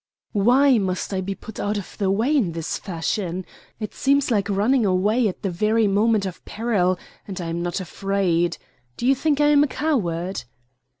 "Why must I be put out of the way in this fashion? It seems like running away at the very moment of peril, and I am not afraid. Do you think I am a coward?"